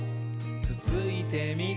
つついてみ？」